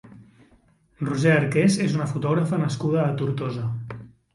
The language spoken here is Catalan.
Roser Arqués és una fotògrafa nascuda a Tortosa.